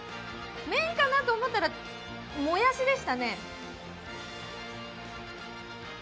麺かなと思ったらもやしでしたね。